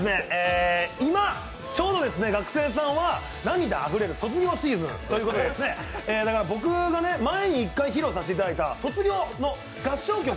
今、ちょうど学生さんは涙あふれる卒業シーズンということで僕の前に１回披露させていた卒業の合唱曲